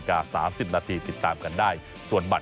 ก็จะมีความสนุกของพวกเรา